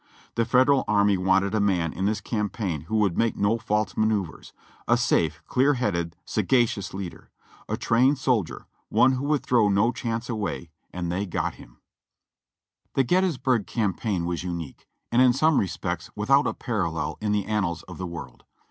The Federal army wanted a man in this campaign who would make no false manoeuvres — a safe, clear headed, sagacious leader; a trained soldier, one who would throw no chance away; and they got him. 384 JOHNNY REB AND BILLY YANK The Gettysburg Campaign was unique, and in some respects without a parallel in the annals of the world.